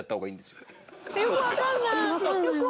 よくわかんない。